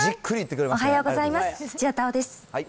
おはようございます。